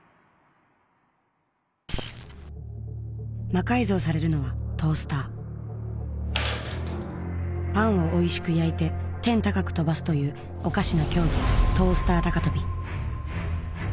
魔改造されるのはトースターパンをおいしく焼いて天高く跳ばすというおかしな競技トースター高跳び